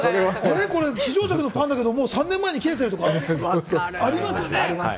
これ、非常食のパンだけど３年前に切れてるとか、ありますよね？